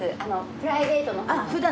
プライベートのほうの。